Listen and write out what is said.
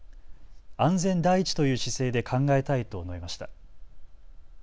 安全第一という姿勢で考えたいと述べました。